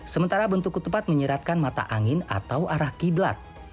sementara bentuk ketupat menyiratkan mata angin atau arah qiblat